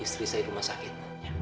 istri saya rumah sakit